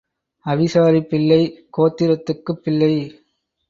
அவிசாரி பிள்ளை கோத்திரத்துக்குப் பிள்ளை.